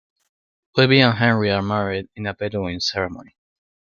Libby and Henry are married in a Bedouin ceremony.